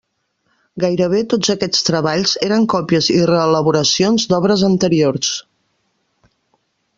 Gairebé tots aquests treballs eren còpies i reelaboracions d'obres anteriors.